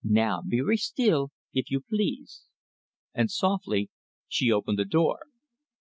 Now, very steel, eef you please!" And softly she opened the door.